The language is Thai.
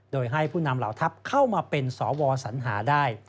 โดยให้ผู้นำเหล่าทัพเข้ามาเป็นสวสัญหาได้